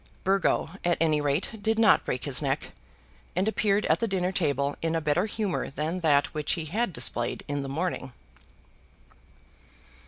Burgo, at any rate, did not break his neck, and appeared at the dinner table in a better humour than that which he had displayed in the morning.